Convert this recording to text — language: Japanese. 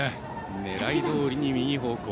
狙いどおりに右方向。